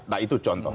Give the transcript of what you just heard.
nah itu contoh